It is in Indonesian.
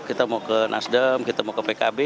kita mau ke nasdem kita mau ke pkb